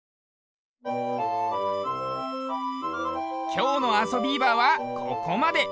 きょうの「あそビーバー」はここまで。